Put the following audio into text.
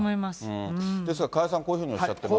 ーですから、加谷さん、こういうふうにおっしゃっています。